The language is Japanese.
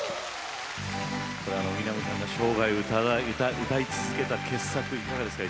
これ三波さんが生涯歌い続けた傑作いかがですか？